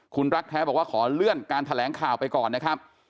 คุณรักแท้บอกว่าขอเลื่อนการแถลงข่าวไปก่อนนะครับ